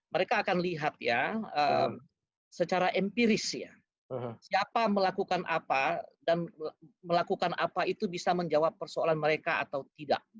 mereka akan lihat ya secara empiris ya siapa melakukan apa dan melakukan apa itu bisa menjawab persoalan mereka atau tidak